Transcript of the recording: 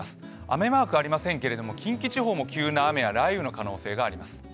雨マークはありませんけれども、近畿地方も急な雨や雷雨の可能性があります。